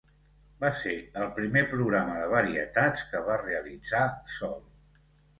Va ser el primer programa de varietats que va realitzar sol.